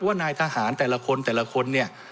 ว่านายทหารแต่ละคนแต่ละคนเนี่ย